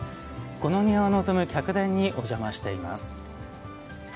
この庭を望む客殿にお邪魔しています。